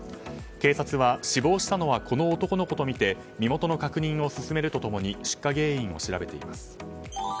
警察は死亡したのはこの男の子とみて身元の確認を進めると共に出火原因を調べています。